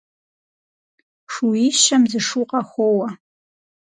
Шууищэм зы шу къахоуэ.